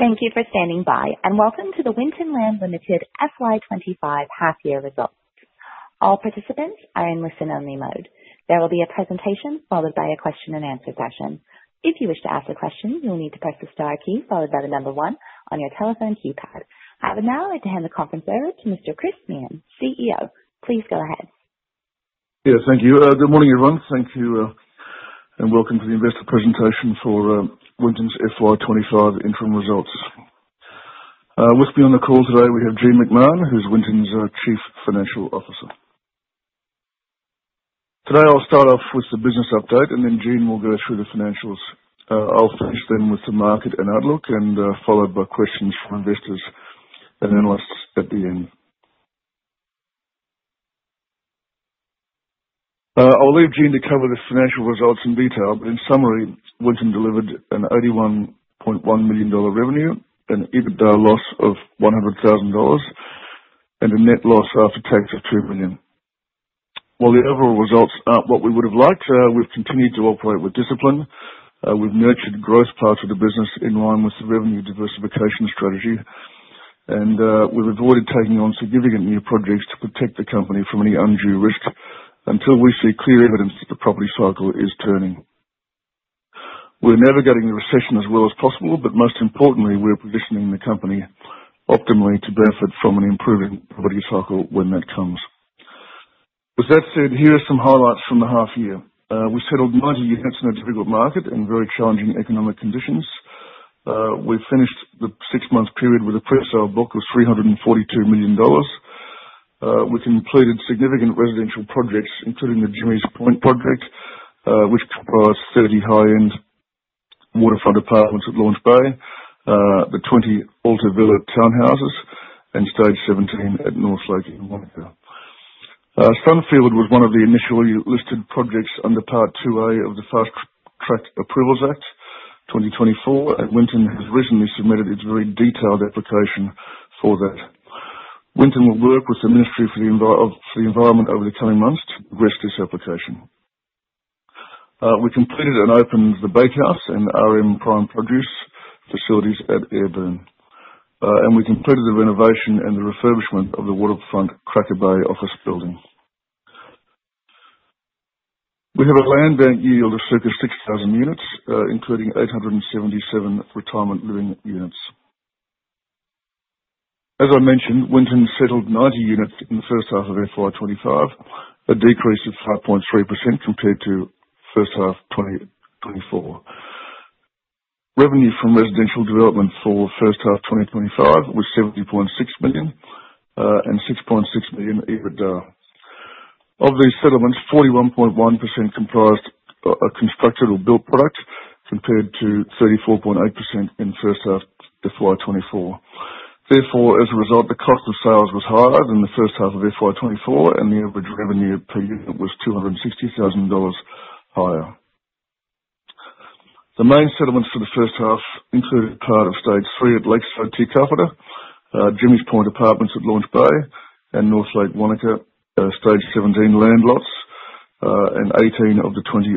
Thank you for standing by. Welcome to the Winton Land Limited FY 2025 half-year results. All participants are in listen-only mode. There will be a presentation followed by a question and answer session. If you wish to ask a question, you'll need to press the star key followed by the number one on your telephone keypad. I would now like to hand the conference over to Mr. Chris Meehan, CEO. Please go ahead. Yes, thank you. Good morning, everyone. Thank you and welcome to the investor presentation for Winton's FY 2025 interim results. With me on the call today, we have Jean McMahon, who's Winton's Chief Financial Officer. Today, I'll start off with the business update, then Jean will go through the financials. I'll finish then with the market and outlook, followed by questions from investors and analysts at the end. I'll leave Jean to cover the financial results in detail. In summary, Winton delivered an 81.1 million dollar revenue, an EBITDA loss of 100,000 dollars, and a net loss after tax of 2 million. While the overall results aren't what we would have liked, we've continued to operate with discipline. We've nurtured growth parts of the business in line with the revenue diversification strategy. We've avoided taking on significant new projects to protect the company from any undue risk until we see clear evidence that the property cycle is turning. We're navigating the recession as well as possible, but most importantly, we're positioning the company optimally to benefit from an improving property cycle when that comes. With that said, here are some highlights from the half year. We settled 90 units in a difficult market and very challenging economic conditions. We've finished the six-month period with a pre-sale book of 342 million dollars. We've completed significant residential projects, including the Jimmy's Point project, which comprised 30 high-end waterfront apartments at Launch Bay, the 20 Alta Villa townhouses, and Stage 17 at Northlake in Wānaka. Sunfield was one of the initially listed projects under Part 2A of the Fast-track Approvals Act 2024, and Winton has recently submitted its very detailed application for that. Winton will work with the Ministry for the Environment over the coming months to progress this application. We completed and opened The Bakehouse and R.M Prime Produce facilities at Ayrburn. We completed the renovation and the refurbishment of the waterfront Cracker Bay office building. We have a landbank yield of circa 6,000 units, including 877 retirement living units. As I mentioned, Winton settled 90 units in the first half of FY 2025, a decrease of 5.3% compared to first half 2024. Revenue from residential development for first half 2025 was 70.6 million and 6.6 million EBITDA. Of these settlements, 41.1% comprised a constructed or built product, compared to 34.8% in first half FY 2024. As a result, the cost of sales was higher than the first half of FY 2024, and the average revenue per unit was 260,000 dollars higher. The main settlements for the first half included part of Stage 3 at Lakeside, Te Kauwhata, Jimmy's Point Apartments at Launch Bay and Northlake Wānaka, Stage 17 land lots, and 18 of the 20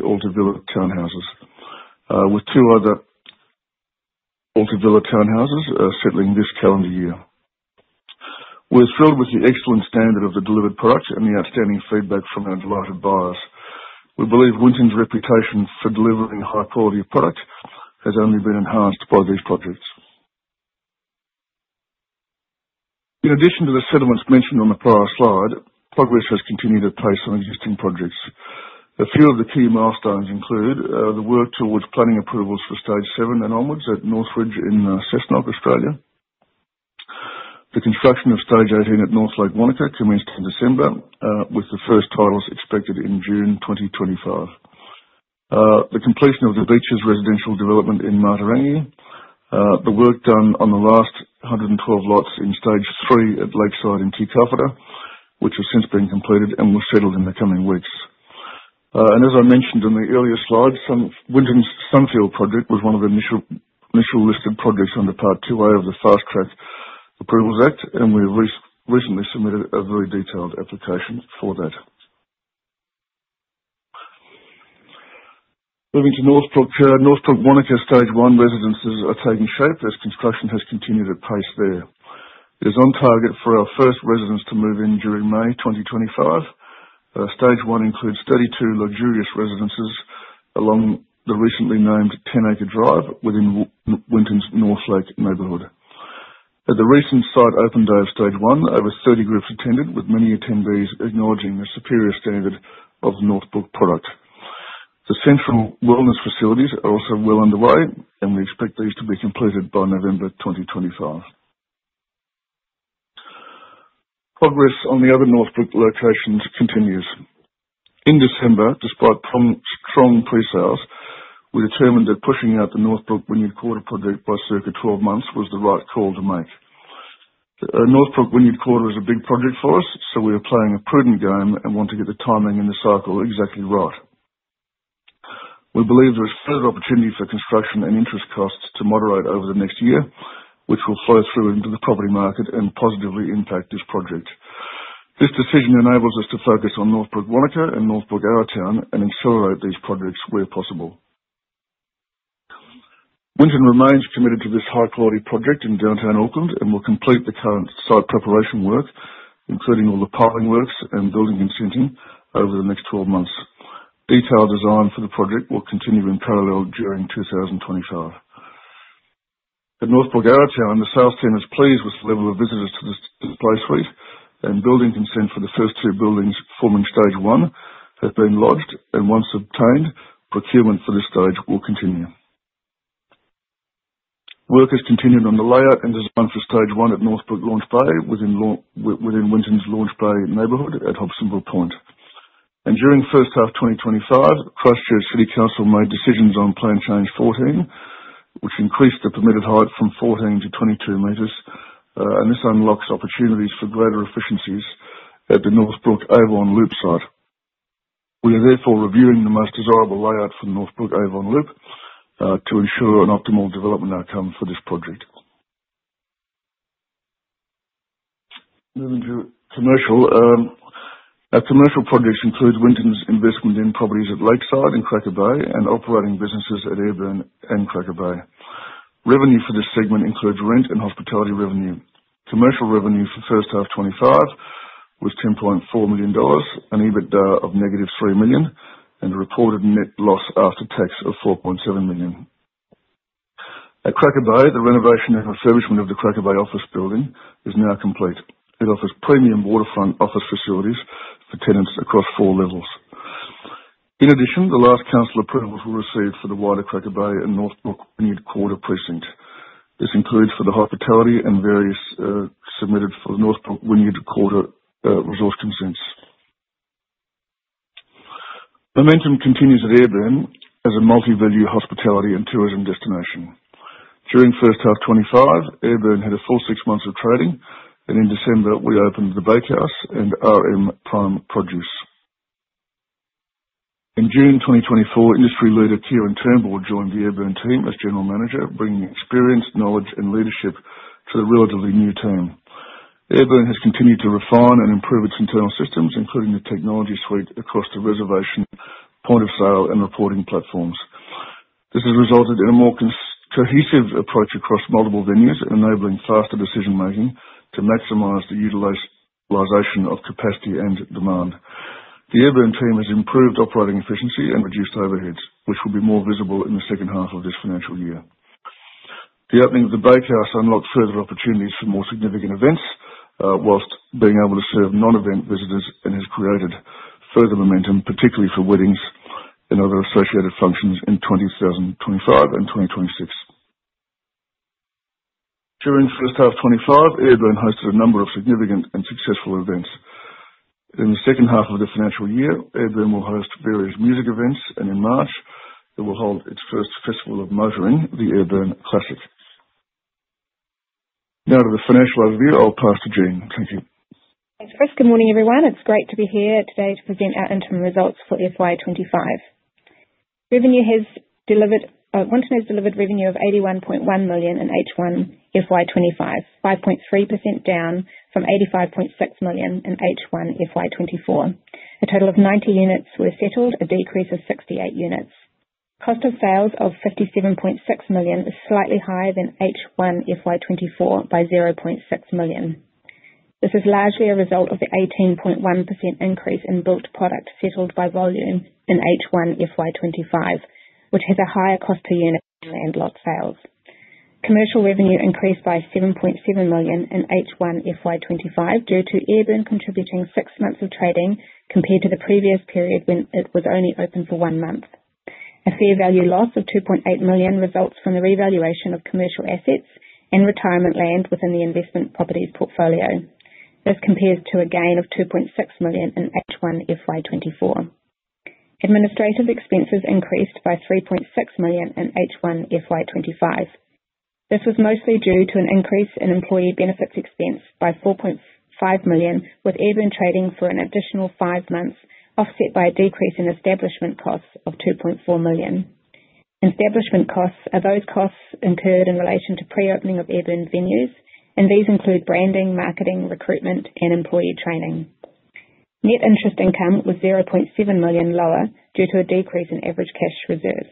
Alta Villa townhouses. With two other Alta Villa townhouses settling this calendar year. We're thrilled with the excellent standard of the delivered product and the outstanding feedback from our delighted buyers. We believe Winton's reputation for delivering high quality of product has only been enhanced by these projects. In addition to the settlements mentioned on the prior slide, progress has continued at pace on existing projects. A few of the key milestones include the work towards planning approvals for Stage 7 and onwards at North Ridge in Cessnock, Australia. The construction of Stage 18 at Northlake Wānaka commenced in December, with the first titles expected in June 2025. The completion of the Beaches residential development in Matarangi. The work done on the last 112 lots in Stage 3 at Lakeside in Te Kauwhata, which has since been completed and will settle in the coming weeks. As I mentioned in the earlier slides, Winton's Sunfield project was one of the initial listed projects under Part 2A of the Fast-track Approvals Act 2024, and we recently submitted a very detailed application for that. Moving to Northbrook Wānaka, Stage 1 residences are taking shape as construction has continued at pace there. It is on target for our first residents to move in during May 2025. Stage 1 includes 32 luxurious residences along the recently named Ten Acre Drive within Winton's Northlake neighborhood. At the recent site open day of Stage 1, over 30 groups attended, with many attendees acknowledging the superior standard of the Northbrook product. The central wellness facilities are also well underway, and we expect these to be completed by November 2025. Progress on the other Northbrook locations continues. In December, despite strong pre-sales, we determined that pushing out the Northbrook Wynyard Quarter project by circa 12 months was the right call to make. Northbrook Wynyard Quarter is a big project for us. We are playing a prudent game and want to get the timing and the cycle exactly right. We believe there is further opportunity for construction and interest costs to moderate over the next year, which will flow through into the property market and positively impact this project. This decision enables us to focus on Northbrook Wānaka and Northbrook Arrowtown and accelerate these projects where possible. Winton remains committed to this high-quality project in downtown Auckland and will complete the current site preparation work, including all the piling works and building consenting over the next 12 months. Detailed design for the project will continue in parallel during 2025. At Northbrook Arrowtown, the sales team is pleased with the level of visitors to the display suite, and building consent for the first two buildings forming Stage 1 have been lodged, and once obtained, procurement for this stage will continue. Work has continued on the layout and design for Stage 1 at Northbrook Launch Bay within Winton's Launch Bay neighborhood at Hobsonville Point. During the first half of 2025, Christchurch City Council made decisions on Plan Change 14, which increased the permitted height from 14 meters-22 meters. This unlocks opportunities for greater efficiencies at the Northbrook Avon Loop site. We are therefore reviewing the most desirable layout for Northbrook Avon Loop, to ensure an optimal development outcome for this project. Moving to commercial. Our commercial projects include Winton's investment in properties at Lakeside and Cracker Bay and operating businesses at Ayrburn and Cracker Bay. Revenue for this segment includes rent and hospitality revenue. Commercial revenue for the first half 2025 was 10.4 million dollars and EBITDA of negative 3 million and a reported net loss after tax of 4.7 million. At Cracker Bay, the renovation and refurbishment of the Cracker Bay office building is now complete. It offers premium waterfront office facilities for tenants across 4 levels. In addition, the last council approval was received for the wider Cracker Bay and Northbrook Wynyard Quarter precinct. This includes for the hospitality and variations submitted for the Northbrook Wynyard Quarter resource consents. Momentum continues at Ayrburn as a multi-venue hospitality and tourism destination. During the first half 2025, Ayrburn had a full six months of trading, and in December, we opened the Bakehouse and R.M Prime Produce. In June 2024, industry leader Kieran Turnbull joined the Ayrburn team as General Manager, bringing experience, knowledge, and leadership to the relatively new team. Ayrburn has continued to refine and improve its internal systems, including the technology suite across the reservation, point of sale, and reporting platforms. This has resulted in a more cohesive approach across multiple venues, enabling faster decision-making to maximize the utilization of capacity and demand. The Ayrburn team has improved operating efficiency and reduced overheads, which will be more visible in the second half of this financial year. The opening of the Bakehouse unlocked further opportunities for more significant events, while being able to serve non-event visitors and has created further momentum, particularly for weddings and other associated functions in 2025 and 2026. During the first half 2025, Ayrburn hosted a number of significant and successful events. In the second half of the financial year, Ayrburn will host various music events, and in March, it will hold its first festival of motoring, the Ayrburn Classic. To the financial review, I'll pass to Jean. Thank you. Thanks, Chris. Good morning, everyone. It's great to be here today to present our interim results for FY 2025. Winton has delivered revenue of 81.1 million in H1 FY 2025, 5.3% down from 85.6 million in H1 FY 2024. A total of 90 units were settled, a decrease of 68 units. Cost of sales of 57.6 million is slightly higher than H1 FY 2024 by 0.6 million. This is largely a result of the 18.1% increase in built product settled by volume in H1 FY 2025, which has a higher cost per unit than land lot sales. Commercial revenue increased by 7.7 million in H1 FY 2025 due to Ayrburn contributing six months of trading compared to the previous period when it was only open for one month. A fair value loss of 2.8 million results from the revaluation of commercial assets and retirement land within the investment properties portfolio. This compares to a gain of 2.6 million in H1 FY 2024. Administrative expenses increased by 3.6 million in H1 FY 2025. This was mostly due to an increase in employee benefits expense by 4.5 million, with Ayrburn trading for an additional five months, offset by a decrease in establishment costs of 2.4 million. Establishment costs are those costs incurred in relation to pre-opening of Ayrburn venues, and these include branding, marketing, recruitment, and employee training. Net interest income was 0.7 million lower due to a decrease in average cash reserves.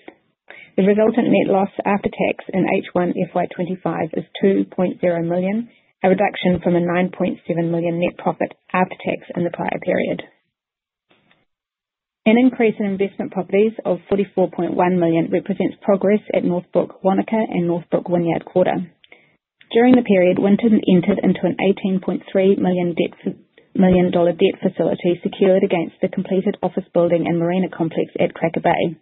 The resultant net loss after tax in H1 FY 2025 is 2.0 million, a reduction from a 9.7 million net profit after tax in the prior period. An increase in investment properties of 44.1 million represents progress at Northbrook Wānaka and Northbrook Wynyard Quarter. During the period, Winton entered into an 18.3 million debt facility secured against the completed office building and marina complex at Cracker Bay.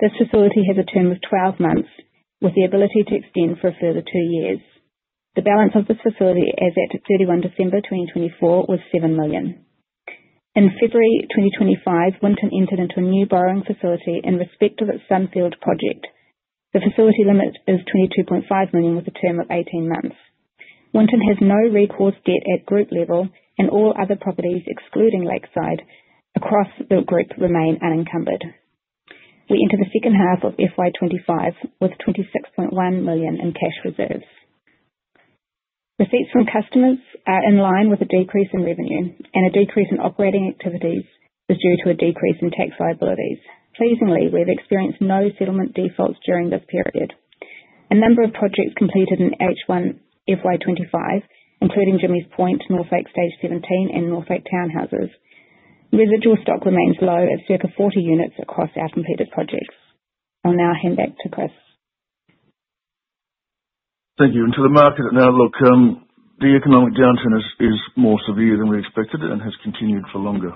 This facility has a term of 12 months with the ability to extend for a further two years. The balance of this facility as at 31 December 2024 was 7 million. In February 2025, Winton entered into a new borrowing facility in respect of its Sunfield project. The facility limit is 22.5 million with a term of 18 months. Winton has no recourse debt at group level, and all other properties, excluding Lakeside, across the group remain unencumbered. We enter the second half of FY 2025 with 26.1 million in cash reserves. Receipts from customers are in line with a decrease in revenue, and a decrease in operating activities is due to a decrease in tax liabilities. Pleasingly, we've experienced no settlement defaults during this period. A number of projects completed in H1 FY 2025, including Jimmy's Point, Northlake Stage 17, and Northlake Townhouses. Residual stock remains low at circa 40 units across our completed projects. I'll now hand back to Chris. Thank you. To the market outlook, the economic downturn is more severe than we expected and has continued for longer.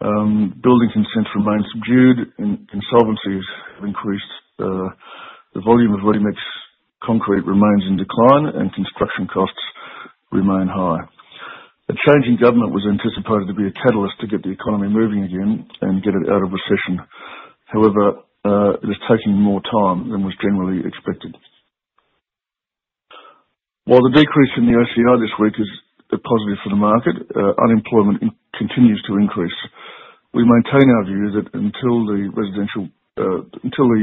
Building consents remain subdued and insolvencies have increased. The volume of ready-mix concrete remains in decline and construction costs remain high. A change in government was anticipated to be a catalyst to get the economy moving again and get it out of recession. However, it is taking more time than was generally expected. While the decrease in the OCR this week is a positive for the market, unemployment continues to increase. We maintain our view that until the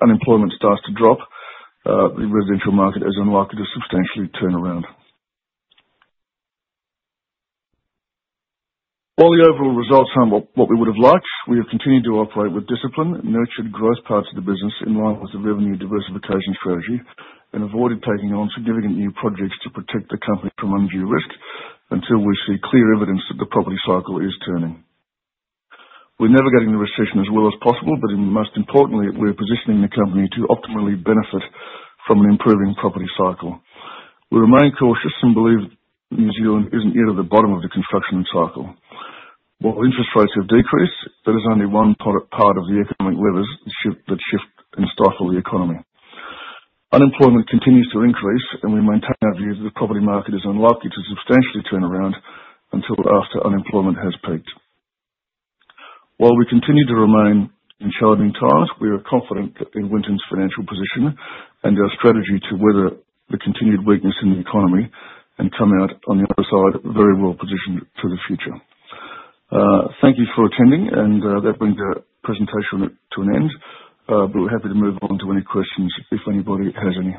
unemployment starts to drop, the residential market is unlikely to substantially turn around. While the overall results aren't what we would have liked, we have continued to operate with discipline, nurtured growth parts of the business in line with the revenue diversification strategy, and avoided taking on significant new projects to protect the company from undue risk until we see clear evidence that the property cycle is turning. We're navigating the recession as well as possible. Most importantly, we're positioning the company to optimally benefit from an improving property cycle. We remain cautious and believe New Zealand isn't yet at the bottom of the construction cycle. While interest rates have decreased, that is only one part of the economic levers that shift and stifle the economy. Unemployment continues to increase. We maintain our view that the property market is unlikely to substantially turn around until after unemployment has peaked. While we continue to remain in challenging times, we are confident in Winton's financial position and our strategy to weather the continued weakness in the economy and come out on the other side very well positioned for the future. Thank you for attending, and that brings the presentation to an end. We're happy to move on to any questions if anybody has any.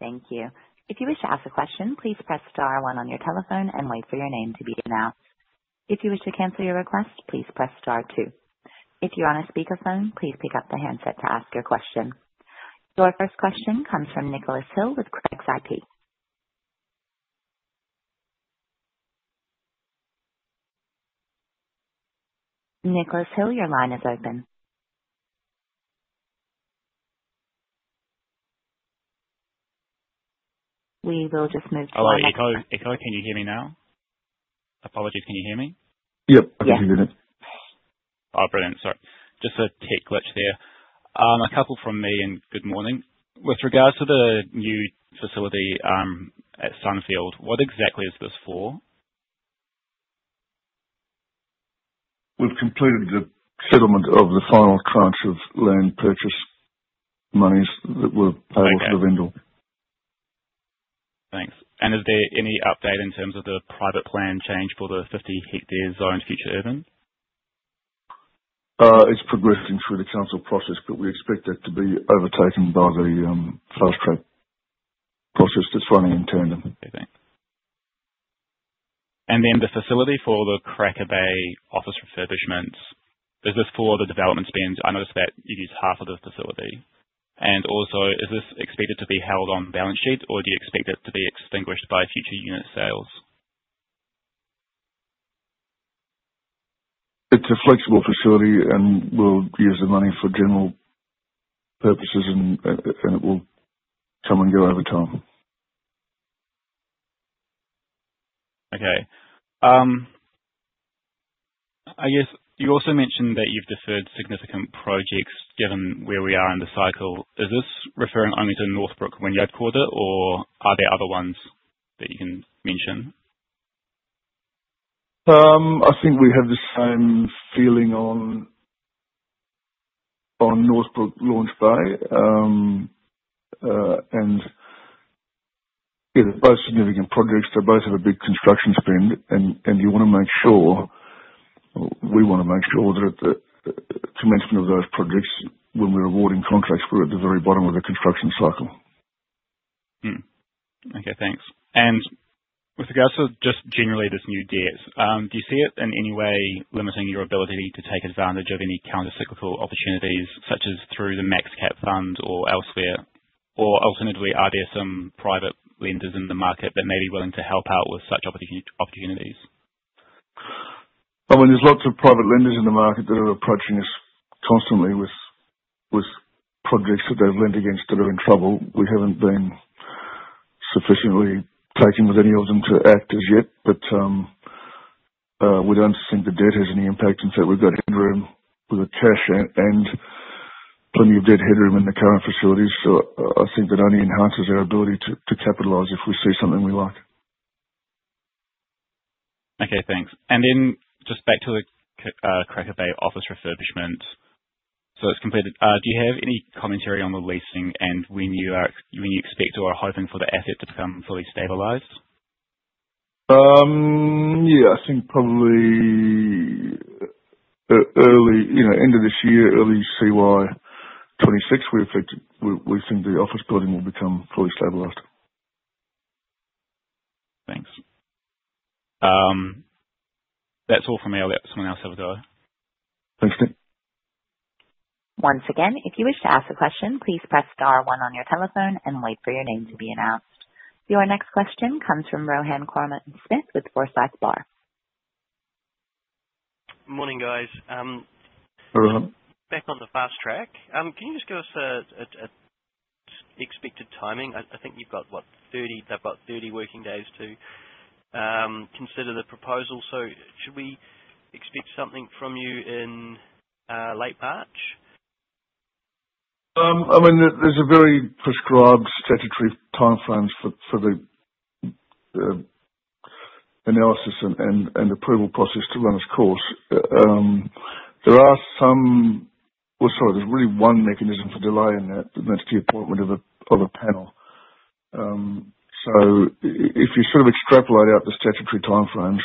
Thank you. If you wish to ask a question, please press star one on your telephone and wait for your name to be announced. If you wish to cancel your request, please press star two. If you're on a speakerphone, please pick up the handset to ask your question. Our first question comes from Nicholas Hill with Craigs Investment Partners. Nicholas Hill, your line is open. Hello, can you hear me now? Apologies, can you hear me? Yep, I can hear you now. Oh, brilliant. Sorry. Just a tech glitch there. A couple from me and good morning. With regards to the new facility, at Sunfield, what exactly is this for? We've completed the settlement of the final tranche of land purchase monies that were payable to the vendor. Okay. Thanks. Is there any update in terms of the private plan change for the 50 hectare zoned future urban? It's progressing through the council process, but we expect that to be overtaken by the fast-track process that's running in tandem. Okay, thanks. Then the facility for the Cracker Bay office refurbishments, is this for the development spend? I noticed that it is half of the facility. Also, is this expected to be held on balance sheet, or do you expect it to be extinguished by future unit sales? It's a flexible facility, and we'll use the money for general purposes and it will come and go over time. Okay. I guess you also mentioned that you've deferred significant projects given where we are in the cycle. Is this referring only to Northbrook Wynyard Quarter or are there other ones that you can mention? I think we have the same feeling on Northbrook Launch Bay. They're both significant projects. They both have a big construction spend and we wanna make sure that the commencement of those projects, when we're awarding contracts, we're at the very bottom of the construction cycle. Okay, thanks. With regards to just generally this new debt, do you see it in any way limiting your ability to take advantage of any counter-cyclical opportunities, such as through the MaxCap Fund or elsewhere? Alternatively, are there some private lenders in the market that may be willing to help out with such opportunities? I mean, there's lots of private lenders in the market that are approaching us constantly with projects that they've lent against that are in trouble. We haven't been sufficiently taken with any of them to act as yet. We don't think the debt has any impact and so we've got headroom with the cash and plenty of debt headroom in the current facilities. I think that only enhances our ability to capitalize if we see something we like. Okay, thanks. Just back to the Cracker Bay office refurbishment. It's completed. Do you have any commentary on the leasing and when you expect or are hoping for the asset to become fully stabilized? Yeah, I think probably end of this year, early CY 2026, we think the office building will become fully stabilized. Thanks. That's all from me. I'll let someone else have a go. Thanks. Once again, if you wish to ask a question, please press star one on your telephone and wait for your name to be announced. Your next question comes from Rohan Koreman-Smit with Forsyth Barr. Morning, guys. Morning, Rohan. Back on the fast track. Can you just give us expected timing? I think you've got, what, 30 working days to consider the proposal. Should we expect something from you in late March? There's a very prescribed statutory timeframes for the analysis and approval process to run its course. There's really one mechanism for delay in that, and that's the appointment of a panel. If you extrapolate out the statutory timeframes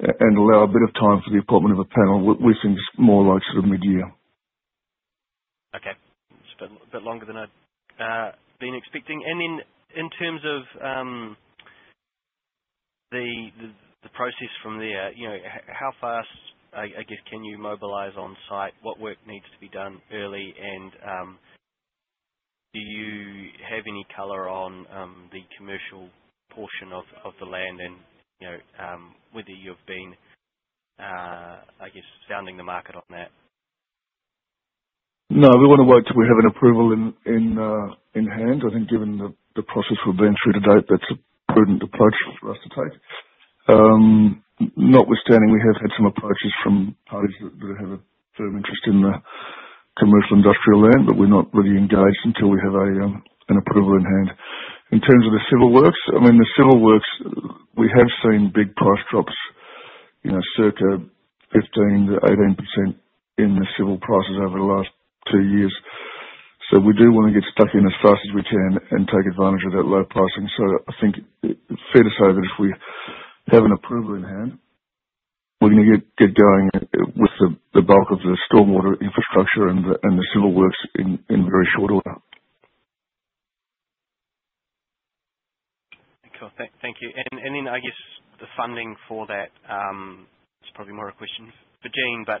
and allow a bit of time for the appointment of a panel, we think it's more like mid-year. Okay. Just a bit longer than I'd been expecting. Then in terms of the process from there, how fast, I guess, can you mobilize on site? What work needs to be done early? Do you have any color on the commercial portion of the land and whether you've been, I guess, sounding the market on that? We want to wait till we have an approval in hand. I think given the process we've been through to date, that's a prudent approach for us to take. Notwithstanding, we have had some approaches from parties that have a firm interest in the commercial industrial land, but we're not really engaged until we have an approval in hand. In terms of the civil works, we have seen big price drops, circa 15%-18% in the civil prices over the last two years. We do want to get stuck in as fast as we can and take advantage of that low pricing. I think it's fair to say that if we have an approval in hand, we're going to get going with the bulk of the stormwater infrastructure and the civil works in very short order. Cool. Thank you. Then, I guess, the funding for that, it's probably more a question for Jean, but,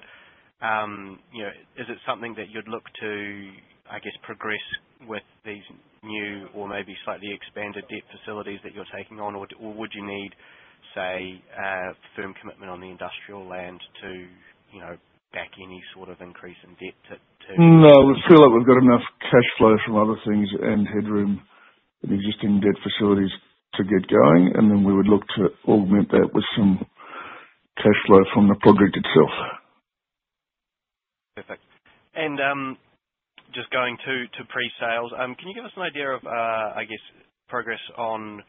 is it something that you'd look to, I guess, progress with these new or maybe slightly expanded debt facilities that you're taking on? Would you need, say, a firm commitment on the industrial land to back any sort of increase in debt to? No, we feel like we've got enough cash flow from other things and headroom in existing debt facilities to get going, and then we would look to augment that with some cash flow from the project itself. Perfect. Just going to pre-sales, can you give us an idea of, I guess, progress on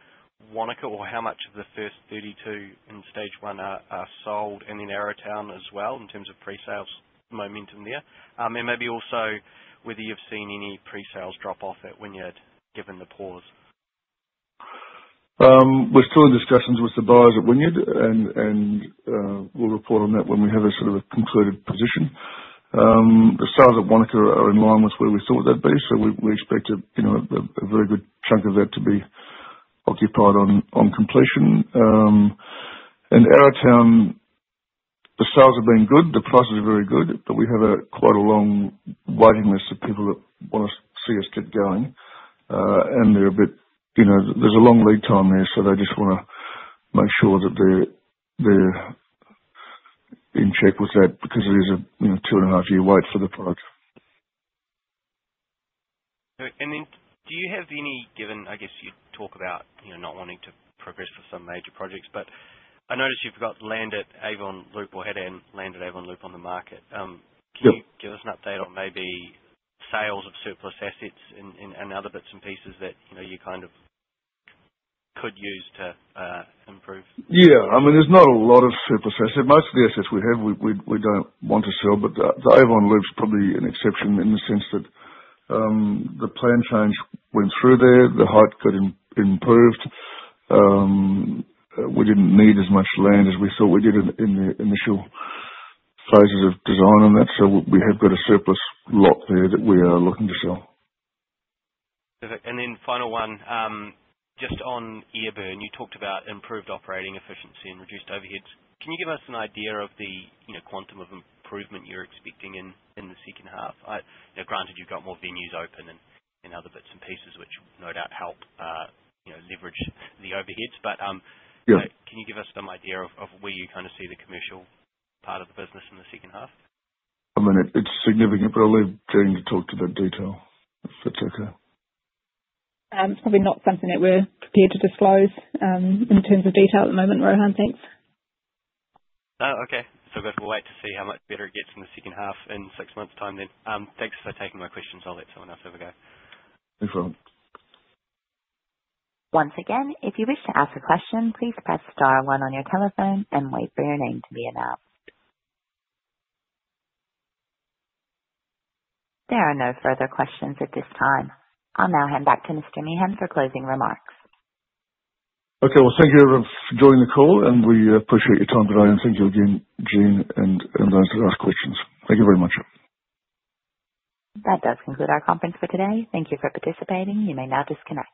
Wānaka, or how much of the first 32 in Stage 1 are sold? In Arrowtown as well, in terms of pre-sales momentum there. Maybe also whether you've seen any pre-sales drop off at Wynyard given the pause. We're still in discussions with the buyers at Wynyard. We'll report on that when we have a sort of a concluded position. The sales at Wānaka are in line with where we thought they'd be. We expect a very good chunk of that to be occupied on completion. Arrowtown, the sales have been good. The prices are very good. We have quite a long waiting list of people that want to see us get going. There's a long lead time there. They just want to make sure that they're in check with that because it is a two-and-a-half-year wait for the product. Do you have any given, I guess you talk about not wanting to progress with some major projects, but I noticed you've got land at Avon Loop or had land at Avon Loop on the market. Yep. Can you give us an update on maybe sales of surplus assets and other bits and pieces that you kind of could use to improve? Yeah. There's not a lot of surplus assets. Most of the assets we have, we don't want to sell. The Avon Loop's probably an exception in the sense that the plan change went through there. The height got improved. We didn't need as much land as we thought we did in the initial phases of design on that. We have got a surplus lot there that we are looking to sell. Perfect. Final one, just on Ayrburn, you talked about improved operating efficiency and reduced overheads. Can you give us an idea of the quantum of improvement you're expecting in the second half? Granted, you've got more venues open and other bits and pieces which no doubt help leverage the overheads. Yeah. Can you give us some idea of where you see the commercial part of the business in the second half? It's significant, but I'll leave Jean to talk to that detail, if that's okay. It's probably not something that we're prepared to disclose, in terms of detail at the moment, Rohan. Thanks. Okay. We'll have to wait to see how much better it gets in the second half in six months time then. Thanks for taking my questions. I'll let someone else have a go. Thanks, Rohan. Once again, if you wish to ask a question, please press star one on your telephone and wait for your name to be announced. There are no further questions at this time. I'll now hand back to Mr. Meehan for closing remarks. Okay. Well, thank you, everyone, for joining the call. We appreciate your time today. Thank you again, Jean and answer for those questions. Thank you very much. That does conclude our conference for today. Thank you for participating. You may now disconnect.